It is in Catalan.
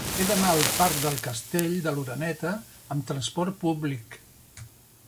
He d'anar al parc del Castell de l'Oreneta amb trasport públic.